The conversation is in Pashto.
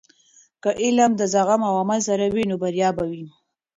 که علم د زغم او عمل سره وي، نو بریا به وي.